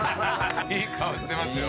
いい顔してますよ。